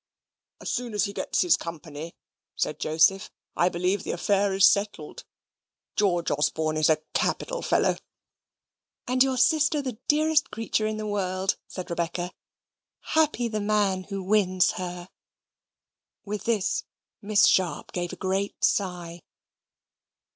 "As soon as he gets his company," said Joseph, "I believe the affair is settled. George Osborne is a capital fellow." "And your sister the dearest creature in the world," said Rebecca. "Happy the man who wins her!" With this, Miss Sharp gave a great sigh.